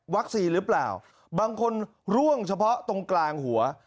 หรือเปล่าบางคนร่วงเฉพาะตรงกลางหัว